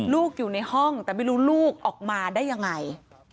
อยู่ในห้องแต่ไม่รู้ลูกออกมาได้ยังไง